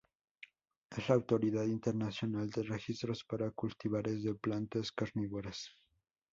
Es la Autoridad Internacional de Registros para cultivares de plantas carnívoras.